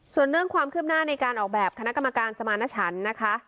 ส่วนเรื่องความคืบหน้าในการออกแบบคณะกรรมการสมาณชันนะคะ